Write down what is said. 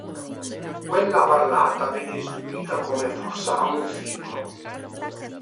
Quella parlata venne distribuita come "Full-sound film".